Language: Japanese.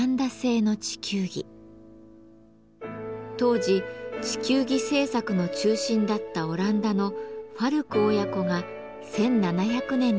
当時地球儀制作の中心だったオランダのファルク親子が１７００年に作ったものです。